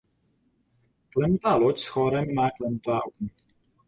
Klenutá loď s chórem má klenutá okna.